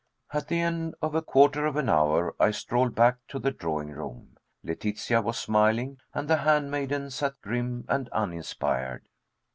At the end of a quarter of an hour I strolled back to the drawing room. Letitia was smiling and the hand maiden sat grim and uninspired.